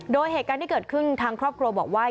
โดยเหตุการณ์ที่เกิดขึ้นทางครอบครัวบอกว่า